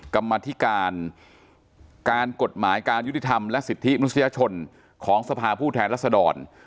กรรมธิการการกฎหมายการยุติธรรมและสิทธิมนุษยชนของสภาผู้แทนรัศดร